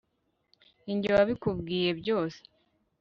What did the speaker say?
Ninjye wabikubwiye byose